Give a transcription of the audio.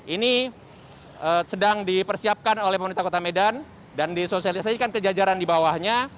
ini sedang dipersiapkan oleh pemerintah kota medan dan disosialisasi kan kejajaran di bawahnya